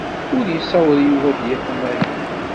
Ur yessaweḍ Yuba ad d-yaf amahil.